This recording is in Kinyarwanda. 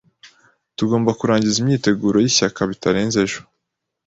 Tugomba kurangiza imyiteguro yishyaka bitarenze ejo.